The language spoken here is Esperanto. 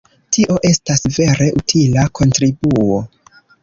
Tio estas vere utila kontribuo!